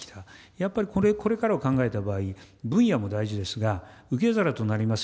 やっぱりこれからを考えた場合、分野も大事ですが、受け皿となります